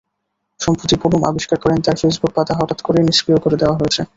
সম্প্রতি পুনম আবিষ্কার করেন তাঁর ফেসবুক পাতা হঠাত্ করেই নিষ্ক্রিয় করে দেওয়া হয়েছে।